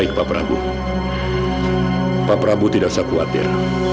ibu tidak usah khawatir